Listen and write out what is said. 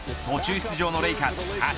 途中出場のレイカーズ